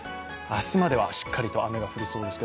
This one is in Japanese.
明日まではしっかりと雨が降りそうです。